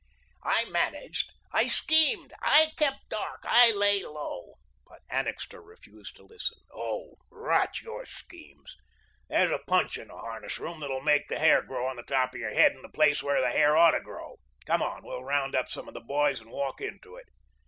"I managed I schemed I kept dark I lay low " But Annixter refused to listen. "Oh, rot your schemes. There's a punch in the harness room that will make the hair grow on the top of your head in the place where the hair ought to grow. Come on, we'll round up some of the boys and walk into it."